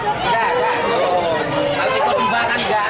alami konduman gak